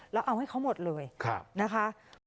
แล้วเอาให้เขาหมดเลยนะคะ